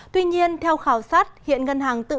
tuy nhiên theo khảo sát hiện ngân hàng e top bank